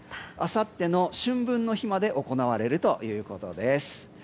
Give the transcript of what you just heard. あさっての春分の日まで行われるということです。